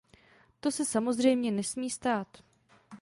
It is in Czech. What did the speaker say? To se samozřejmě nesmí stát!